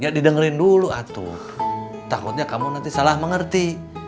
ya didengerin dulu atuh takutnya kamu nanti salah mengerti